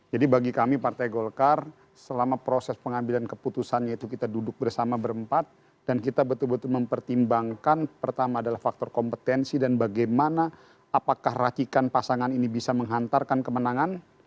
jadi bagi kami partai golkar selama proses pengambilan keputusan yaitu kita duduk bersama berempat dan kita betul betul mempertimbangkan pertama adalah faktor kompetensi dan bagaimana apakah racikan pasangan ini bisa menghantarkan kemenangan